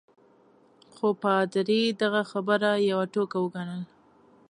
خو پادري دغه خبره یوه ټوکه وګڼل.